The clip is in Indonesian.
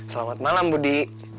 selamat malam budi